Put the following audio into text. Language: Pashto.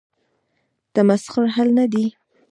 تمسخر حل نه دی.